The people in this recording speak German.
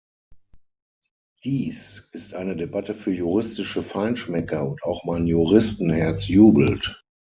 Dies ist eine Debatte für juristische Feinschmecker und auch mein Juristenherz jubelt.